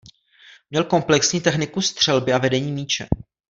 Měl komplexní techniku střelby a vedení míče.